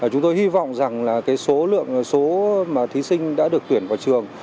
chúng tôi hy vọng rằng số thí sinh đã được tuyển vào trường